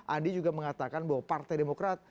andi juga mengatakan bahwa partai demokrat